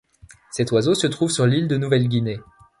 Cet oiseau se trouve sur l'île de Nouvelle-Guinée.